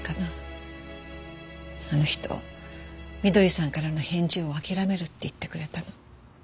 あの人翠さんからの返事を諦めるって言ってくれたの。